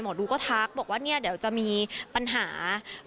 ดูก็ทักบอกว่าเนี่ยเดี๋ยวจะมีปัญหา